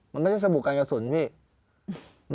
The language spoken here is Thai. มันไม่ใช่สบู่การกระสุนพี่